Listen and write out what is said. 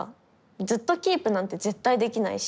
ずっとキープなんて絶対できないし。